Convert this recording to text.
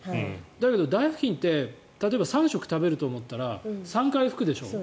だけど台布巾って例えば３食食べると思ったら３回拭くでしょ。